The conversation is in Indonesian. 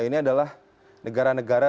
ini adalah negara negara